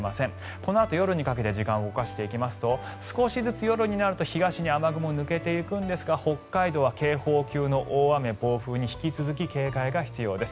このあと夜にかけて時間を動かしていきますと少しずつ夜になると東に雨雲は抜けていくんですが北海道は警報級の大雨、暴風に引き続き警戒が必要です。